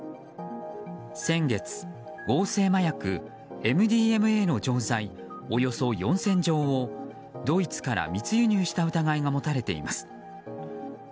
先月、合成麻薬ＭＤＭＡの錠剤およそ４０００錠をドイツから密輸入した疑いが持たれています。